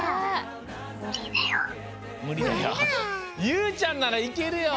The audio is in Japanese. ゆうちゃんならいけるよ！